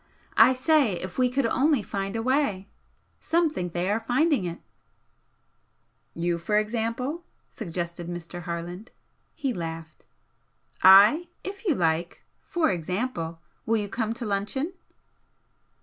I say if we could only find a way! Some think they are finding it " "You, for example?" suggested Mr. Harland. He laughed. "I if you like! for example! Will you come to luncheon?"